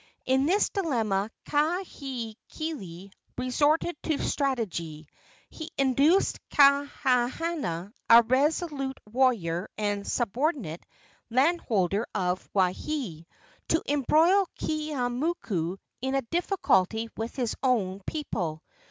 In this dilemma Kahekili resorted to strategy. He induced Kahanana, a resolute warrior and subordinate land holder of Waihee, to embroil Keeaumoku in a difficulty with his own people.